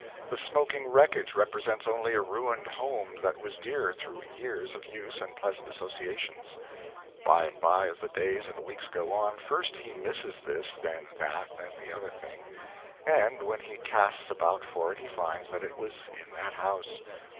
The smoking wreckage represents only a ruined home that was dear through years of use and pleasant associations. By and by, as the days and weeks go on, first he misses this, then that, then the other thing. And, when he casts about for it, he finds that it was in that house.